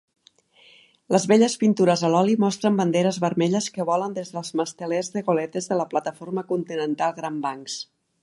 Les velles pintures a l'oli mostren banderes vermelles que volen des dels mastelers de goletes de la plataforma continental Grand Banks.